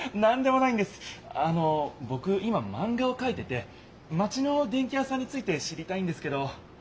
あのぼく今マンガをかいててマチの電器屋さんについて知りたいんですけど。